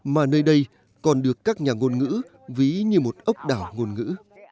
mà nơi đây còn được các nhà ngôn ngữ ví như một ốc đảo ngôn ngữ